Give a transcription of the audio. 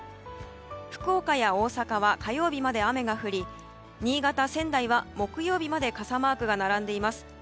福岡や大阪は、火曜日まで雨が降り新潟、仙台は木曜日まで傘マークが並んでいます。